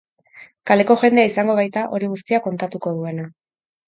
Kaleko jendea izango baita, hori guztia kontatuko duena.